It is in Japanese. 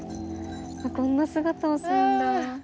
こんな姿をするんだ。